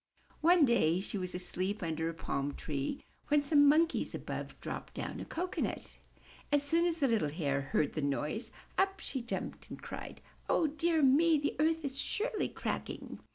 One day she was asleep under a palm tree when some Monkeys above dropped down a cocoanut. As soon as the little Hare heard the noise, up she jumped and cried, ''O dear me! the earth is surely cracking!''